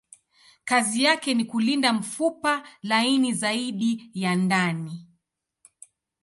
Kazi yake ni kulinda mfupa laini zaidi ya ndani.